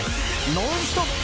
ノンストップ！